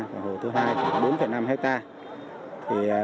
và hồ thứ hai khoảng bốn năm hectare